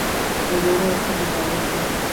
د میړه او ښځې دعوې پیل شي.